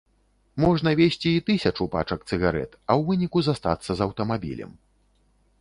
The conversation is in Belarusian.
Можна везці і тысячу пачак цыгарэт, а ў выніку застацца з аўтамабілем.